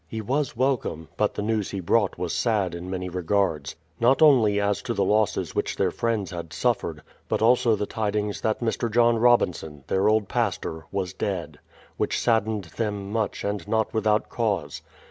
He was welcome; but the news he brought was sad in many regards ; not only as to the losses which their friends had suffered, but also the tidings that Mr. John Robinson, their old pastor, was dead, which saddened them much and not without cause.